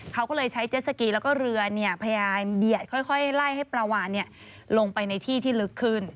เขาก็เลยใช้เจ็ดสกีแล้วก็เรือพยายามเบียดค่อยไล่ให้ปลาวานลงไปในที่ที่ลึกขึ้น